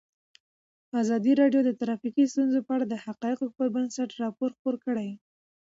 ازادي راډیو د ټرافیکي ستونزې په اړه د حقایقو پر بنسټ راپور خپور کړی.